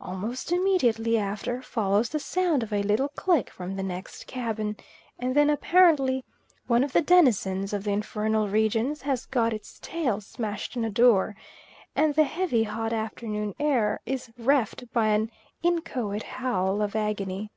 Almost immediately after follows the sound of a little click from the next cabin, and then apparently one of the denizens of the infernal regions has got its tail smashed in a door and the heavy hot afternoon air is reft by an inchoate howl of agony.